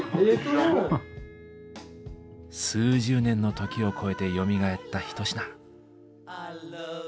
数十年の時を超えてよみがえった一品。